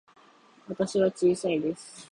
私は小さいです。